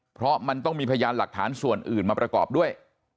เพราะมันต้องมีพยานหลักฐานส่วนอื่นมาประกอบด้วย